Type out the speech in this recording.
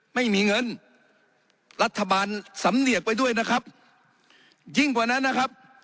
ไม่มีเงินรัฐบาลสำเนียกไปด้วยนะครับยิ่งกว่านั้นนะครับ